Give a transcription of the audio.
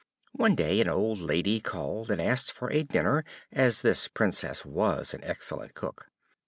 One day an old woman called and asked for a dinner, as this Princess was an excellent cook.